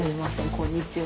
こんにちは。